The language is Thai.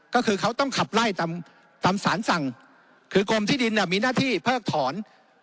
ก็คือเขาต้องขับไล่ตามตามสารสั่งคือกรมที่ดินมีหน้าที่เพิกถอน